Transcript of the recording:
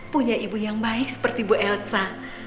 punya ibu yang baik seperti bu elsa